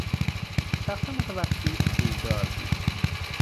شخص متوفی پولدار بود.